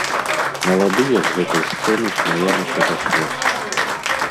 Маладыя з гэтай сцэны смяяліся да слёз!